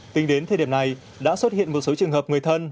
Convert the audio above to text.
tính đến thời điểm này đã xuất hiện một số trường hợp người thân